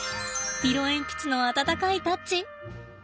色鉛筆の温かいタッチ。